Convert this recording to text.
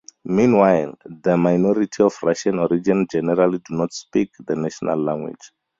Meanwhile, the minority of Russian origin generally do not speak the national language.